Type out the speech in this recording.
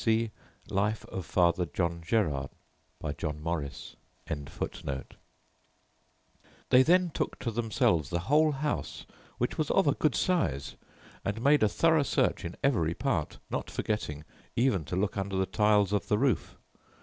See Life of Father John Gerard, by John Morris.] "They then took to themselves the whole house, which was of a good size, and made a thorough search in every part, not forgetting even to look under the tiles of the roof.